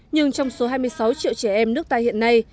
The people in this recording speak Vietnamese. nhưng trong số hai mươi sáu triệu trẻ em nước ta hiện nay